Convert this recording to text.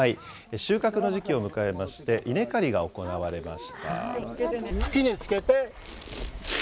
収穫の時期を迎えまして、稲刈りが行われました。